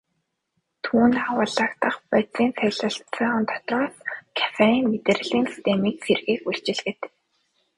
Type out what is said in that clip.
Түүнд агуулагдах бодисын дотроос кофеин мэдрэлийн системийг сэргээх үйлчилгээтэй.